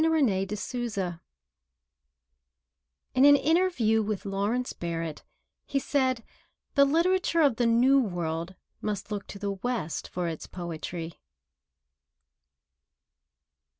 TO THE WEST [In an interview with Lawrence Barrett, he said: "The literature of the New World must look to the West for its poetry."